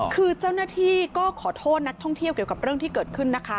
คือเจ้าหน้าที่ก็ขอโทษนักท่องเที่ยวเกี่ยวกับเรื่องที่เกิดขึ้นนะคะ